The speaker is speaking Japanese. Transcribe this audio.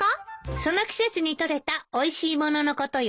その季節にとれたおいしい物のことよ。